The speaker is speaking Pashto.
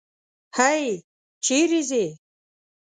هی! چېرې ځې؟